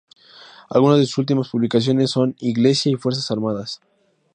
Algunas de sus últimas publicaciones son: "Iglesia y Fuerzas Armadas.